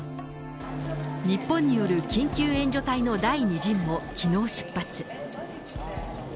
日本による緊急援助隊の第２陣もきのう出発。